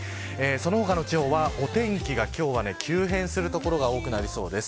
その他の地方は、お天気が今日は急変する所が多くなりそうです。